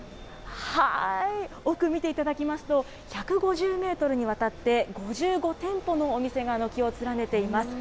奥見ていただきますと、１５０メートルにわたって、５５店舗のお店が軒を連ねています。